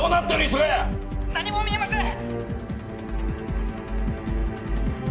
磯ヶ谷何も見えません！